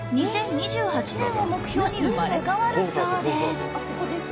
２０２８年を目標に生まれ変わるそうです。